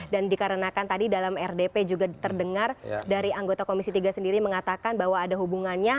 dan dikarenakan tadi dalam rdp juga terdengar dari anggota komisi tiga sendiri mengatakan bahwa ada hubungannya